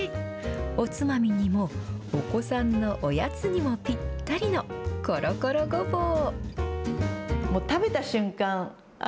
おつまみにも、お子さんのおやつにもぴったりのコロコロごぼう。